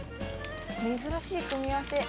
珍しい組み合わせ。